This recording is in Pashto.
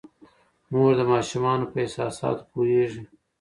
مور د ماشومانو په احساساتو پوهیږي.